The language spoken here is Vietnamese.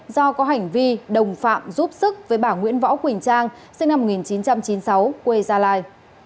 do có hành vi đồng phạm giúp sức với bà nguyễn võ quỳnh trang sinh năm một nghìn chín trăm chín mươi sáu quê gia lai